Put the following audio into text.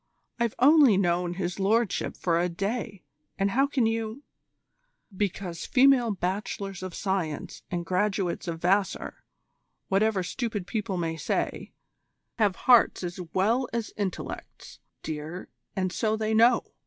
I've only known His Lordship for a day, and how can you " "Because female Bachelors of Science and graduates of Vassar, whatever stupid people may say, have hearts as well as intellects, dear, and so they know.